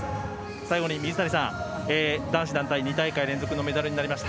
最後に水谷さん、男子団体、２大会連続のメダルになりました。